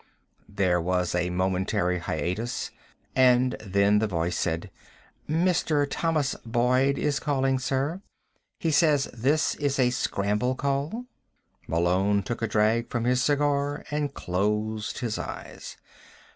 There was a momentary hiatus, and then the voice said: "Mr. Thomas Boyd is calling, sir. He says this is a scramble call." Malone took a drag from his cigar and closed his eyes.